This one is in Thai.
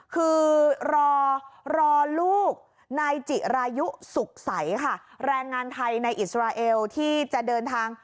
คือรอรอลูกนายจิรายุสุขใสค่ะแรงงานไทยในอิสราเอลที่จะเดินทาง